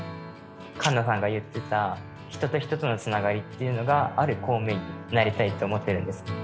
菅野さんが言ってた人と人とのつながりっていうのがある公務員になりたいって思ってるんです。